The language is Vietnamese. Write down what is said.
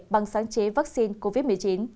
bằng sáng chế vaccine covid một mươi chín